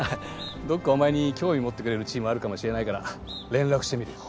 どっかお前に興味持ってくれるチームあるかもしれないから連絡してみるよ